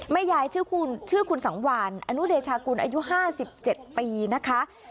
ยายชื่อคุณสังวานอนุเดชากุลอายุ๕๗ปีนะคะ